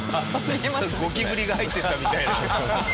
ゴキブリが入っていったみたいな。